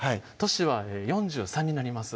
年は４３になります